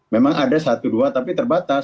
memang ada satu dua tapi terbatas